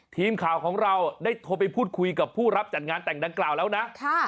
ทีมข่าวของเราได้โทรไปพูดคุยกับผู้รับจัดงานแต่งดังกล่าวแล้วนะ